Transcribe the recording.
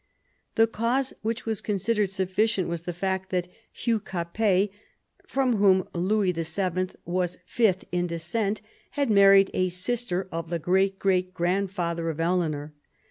The cause which was considered sufficient was the fact that Hugh Capet, from whom Louis VII. was fifth in descent, had married a sister of the great great grandfather of Eleanor.